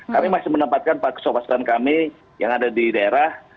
kami masih menempatkan para kesopas kawan kami yang ada di daerah